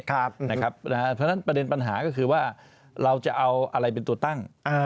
เพราะฉะนั้นประเด็นปัญหาก็คือว่าเราจะเอาอะไรเป็นตัวตั้ง